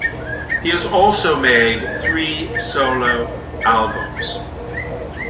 He has also made three solo albums.